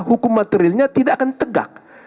hukum materilnya tidak akan tegak